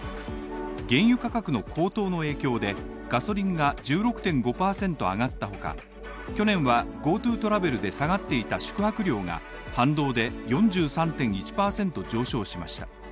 原油価格の高騰の影響でガソリンが１６．５％上がったほか、去年はＧｏＴｏトラベルで下がっていた宿泊料が反動で４３．１％上昇しました。